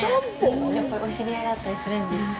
やっぱりお知り合いだったりするですか？